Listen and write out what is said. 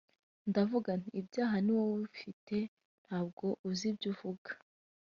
ndavuga nti ibyaha ni wowe ubifite ntabwo uzi ibyo uvuga